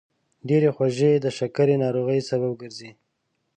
ډېرې خوږې د شکرې ناروغۍ سبب ګرځي.